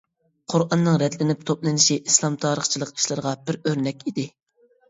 قۇرئاننىڭ رەتلىنىپ توپلىنىشى ئىسلام تارىخچىلىقى ئىشلىرىغا بىر ئۆرنەك ئىدى.